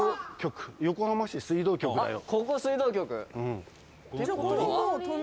「横浜市水道局だよ」